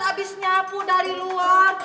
habis nyapu dari luar